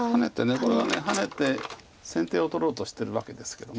これはハネて先手を取ろうとしてるわけですけども。